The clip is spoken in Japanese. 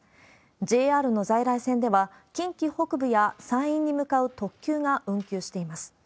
ＪＲの在来線では、近畿北部や山陰に向かう特急が運休しています。